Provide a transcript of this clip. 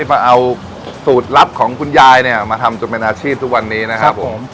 มาเอาสูตรลับของคุณยายเนี่ยมาทำจนเป็นอาชีพทุกวันนี้นะครับผม